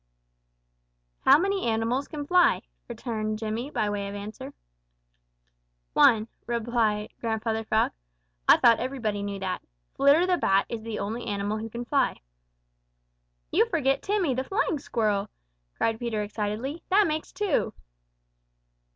"How many animals can fly?" returned Jimmy, by way of answer. "One," replied Grandfather Frog. "I thought everybody knew that. Flitter the Bat is the only animal who can fly." "You forget Timmy, the Flying Squirrel!" cried Peter excitedly. "That makes two."